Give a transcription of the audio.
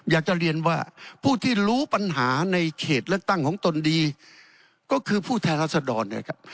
อยากจะเรียนว่าผู้ที่รู้ปัญหาในเขตเลือกตั้งของตนดีก็คือผู้แทนรัศดรนะครับ